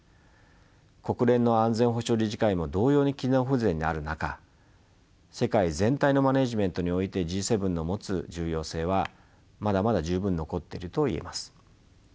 国連の安全保障理事会も同様に機能不全にある中世界全体のマネジメントにおいてＧ７の持つ重要性はまだまだ十分残ってると言えます。